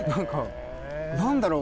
何だろう